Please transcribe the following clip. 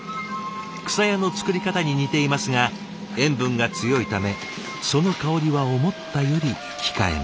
「くさや」の作り方に似ていますが塩分が強いためその香りは思ったより控えめ。